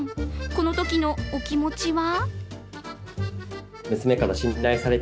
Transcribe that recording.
このときのお気持ちは？